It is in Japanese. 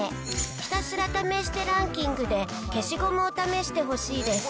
ひたすら試してランキングで消しゴムを試してほしいです。